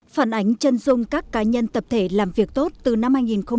phản ánh chân dung các cá nhân tập thể làm việc tốt từ năm hai nghìn một mươi chín